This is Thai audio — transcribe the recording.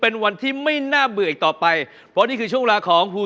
เป็นวันที่ไม่น่าเบลืออีกต่อไปซึ่งจะทำให้วันจันทร์ของคุณ